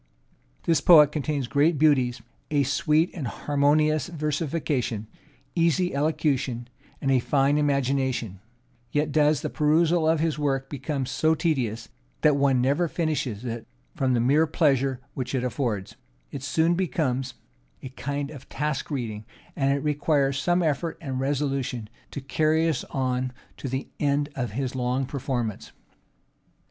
This poet contains great beauties, a sweet and harmonious versification, easy elocution, a fine imagination; yet does the perusal of his work become so tedious, that one never finishes it from the mere pleasure which it affords; it soon becomes a kind of task reading, and it requires some effort and resolution to carry us on to the end of his long performance.